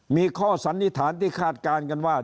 มีข้อสันนิษฐานที่คาดการณ์กันว่า